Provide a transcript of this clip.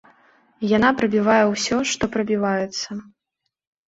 Яна прабівае ўсё, што прабіваецца.